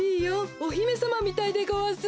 おひめさまみたいでごわす。